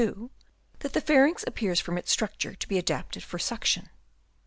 602) that the pharynx appears from its structure to be adapted for suction.